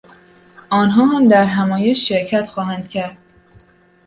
آنها هم در همایش شرکت خواهند کرد.